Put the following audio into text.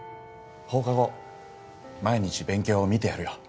放課後毎日勉強を見てやるよ